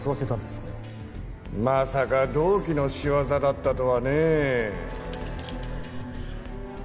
まさか同期の仕業だったとはねえ。